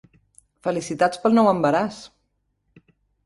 Felicitats pel nou embaràs.